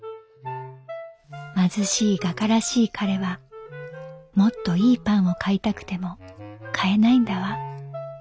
「貧しい画家らしい彼はもっといいパンを買いたくても買えないんだわ。